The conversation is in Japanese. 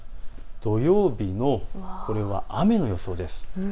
土曜日のこれは雨の予想です。